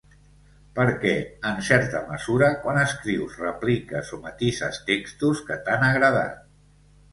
Perquè, en certa mesura, quan escrius repliques o matises textos que t’han agradat.